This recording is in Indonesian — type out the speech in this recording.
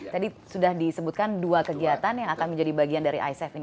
tadi sudah disebutkan dua kegiatan yang akan menjadi bagian dari icf ini